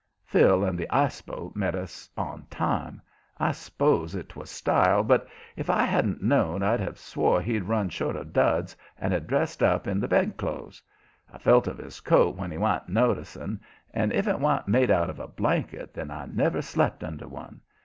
Phil and the ice boat met us on time. I s'pose it 'twas style, but, if I hadn't known I'd have swore he'd run short of duds and had dressed up in the bed clothes. I felt of his coat when he wa'n't noticing, and if it wa'n't made out of a blanket then I never slept under one.